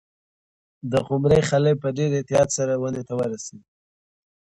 د قمرۍ خلی په ډېر احتیاط سره ونې ته ورسېد.